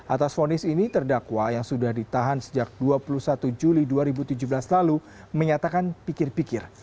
atas fonis ini terdakwa yang sudah ditahan sejak dua puluh satu juli dua ribu tujuh belas lalu menyatakan pikir pikir